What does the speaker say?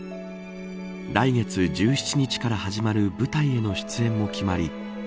来月１７日から始まる舞台への出演も決まり